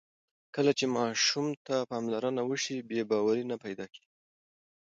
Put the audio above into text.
کله چې ماشوم ته پاملرنه وشي، بې باوري نه پیدا کېږي.